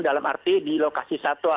dalam arti di lokasi satwa